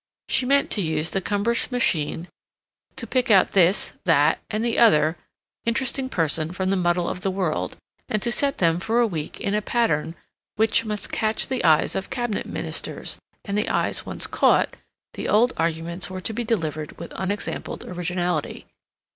She meant to use the cumbrous machine to pick out this, that, and the other interesting person from the muddle of the world, and to set them for a week in a pattern which must catch the eyes of Cabinet Ministers, and the eyes once caught, the old arguments were to be delivered with unexampled originality.